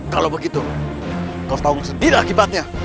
kalau begitu kau harus tahu sendiri akibatnya